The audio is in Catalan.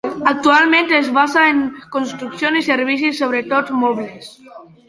Actualment es basa en construcció i servicis, sobretot mobles.